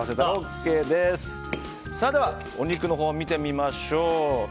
ではお肉のほうを見ていきましょう。